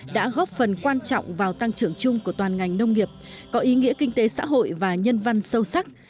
đã góp phần quan trọng vào tăng trưởng chung của toàn ngành nông nghiệp có ý nghĩa kinh tế xã hội và nhân văn sâu sắc